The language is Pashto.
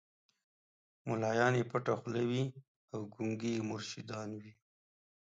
مُلایان یې پټه خوله وي او ګونګي یې مرشدان وي